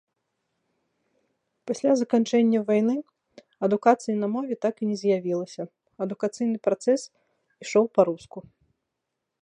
Пасля заканчэння вайны адукацыі на мове так і не з'явілася, адукацыйны працэс ішоў па-руску.